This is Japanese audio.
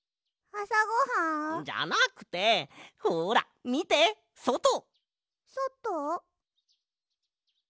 あさごはん？じゃなくてほらみてそと！そと？